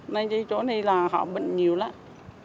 nên chỗ này là họ bệnh nhiều lắm